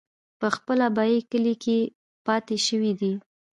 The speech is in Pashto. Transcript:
پۀ خپل ابائي کلي کښې پاتې شوے دے ۔